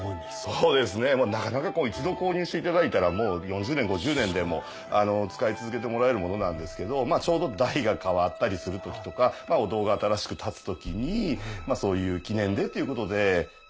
そうですね一度購入していただいたら４０年５０年でも使い続けてもらえるものなんですけどちょうど代が替わったりする時とかお堂が新しく建つ時にそういう記念でということで。